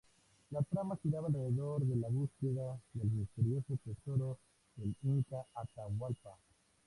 La trama giraba alrededor de la búsqueda del misterioso tesoro del inca Atahualpa.